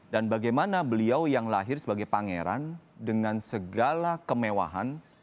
dan bagaimana beliau yang lahir sebagai pangeran dengan segala kemewahan